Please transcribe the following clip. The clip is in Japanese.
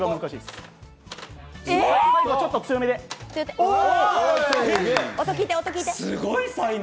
すごい才能。